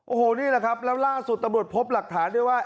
โอ้โหนี่แหละครับแล้วล่าสุดตำรวจพบหลักฐานด้วยว่า